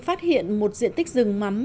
phát hiện một diện tích rừng mắm